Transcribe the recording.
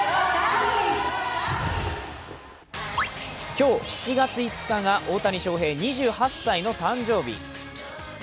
今日、７月５日が大谷翔平、２８歳の誕生日。